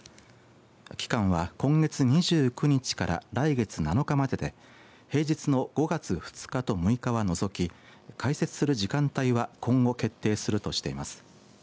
期間は今月２９日から来月７日までで平日の５月２日と６日は除き開設する時間帯は今後、決定するとしています。